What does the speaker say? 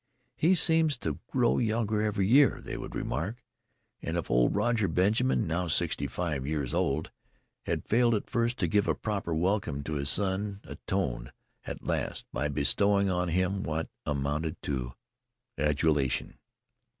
"He seems to grow younger every year," they would remark. And if old Roger Button, now sixty five years old, had failed at first to give a proper welcome to his son he atoned at last by bestowing on him what amounted to adulation.